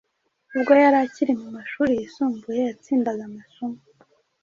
Ubwo yari akiri mu mashuri yisumbuye yatsindaga amasomo